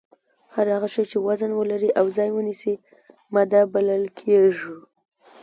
هر هغه شی چې وزن ولري او ځای ونیسي ماده بلل کیږي